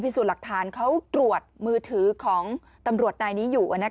พิสูจน์หลักฐานเขาตรวจมือถือของตำรวจนายนี้อยู่